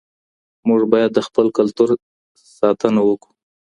موږ بايد د خپل کلتور ساتنه وکړو.